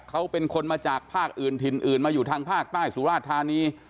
เขาเป็นคนมาจากภาคอื่นถิ่นอื่นมาอยู่ทางภาคใต้สุราชธานี